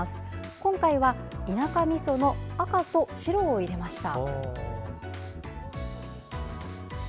今回は田舎みその赤と白を入れました。